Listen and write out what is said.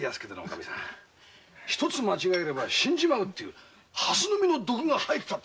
一つ間違うと死んじまうっていうハスの実の毒が入ってた。